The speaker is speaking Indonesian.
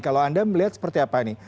kalau anda melihat seperti apa nih